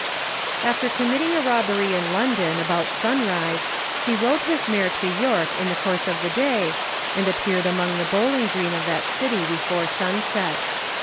After committing a robbery in London, about sunrise, he rode his mare to York in the course of the day, and appeared upon the bowling green of that city before sunset.